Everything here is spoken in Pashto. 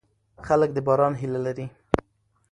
خلک د باران هیله لري.